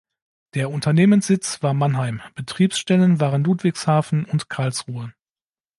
Der Unternehmenssitz war Mannheim, Betriebsstellen waren Ludwigshafen und Karlsruhe.